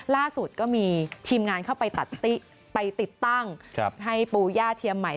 ล่าสุดก็มีทีมงานเข้าไปตัดไปติดตั้งให้ปูย่าเทียมใหม่